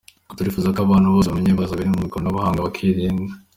Turifuza ko abantu bose bamenya ibibazo biri mu ikoranabuhanga bakirinda.